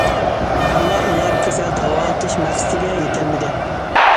ئەمما ئۇلار كېسەل داۋالىتىش مەقسىتىگە يېتەلمىدى.